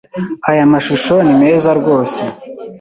Aya mashusho ni meza rwose.